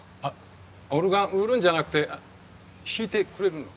オルガン売るんじゃなくて弾いてくれるの？